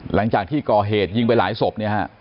หลังจากที่ก่อเหตุยิงไปหลายศพเนี่ยฮะ